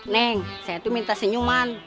neng saya itu minta senyuman